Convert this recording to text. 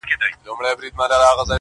دا به څوک وي چي بلبل بولي ښاغلی!!